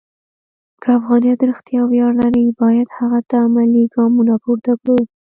که افغانیت رښتیا ویاړ لري، باید هغه ته عملي ګامونه پورته کړو.